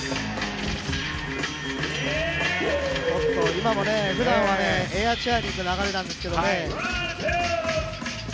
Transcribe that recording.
今もね、ふだんはエアチェアーにいく流れなんですけどね。